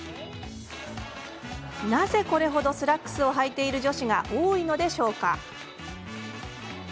なぜ、これほどスラックスをはいている女子が多いのでしょうか。